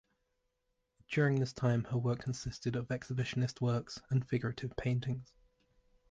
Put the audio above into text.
During this time her work consisted of expressionist works and figurative paintings.